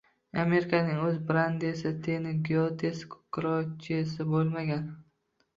Amerikaning o‘z Brandesi, Teni, Gyotesi, Krochesi bo‘lmagan